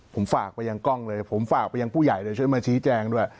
ผมฝากไปยังกล้องเลยผมฝากไปยังผู้ใหญ่เลยช่วยมาชี้แจงด้วย